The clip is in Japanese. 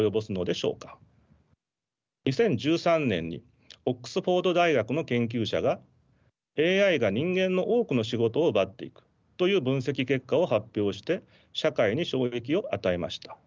２０１３年にオックスフォード大学の研究者がＡＩが人間の多くの仕事を奪っていくという分析結果を発表して社会に衝撃を与えました。